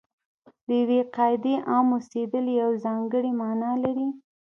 د یوې قاعدې عام اوسېدل یوه ځانګړې معنا لري.